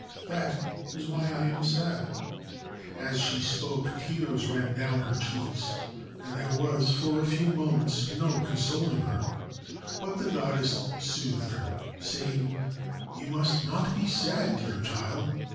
That is why I am sad.' As she spoke tears ran down her cheeks, and there was for a few moments no consoling her ; but the goddess soothed her, saying : 1 You must not be sad, dear child.